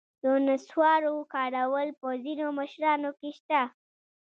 د نصوارو کارول په ځینو مشرانو کې شته.